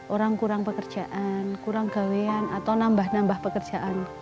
orang kurang pekerjaan kurang gawean atau nambah nambah pekerjaan